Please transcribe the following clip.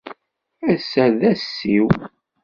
Ass-a d ass-iw.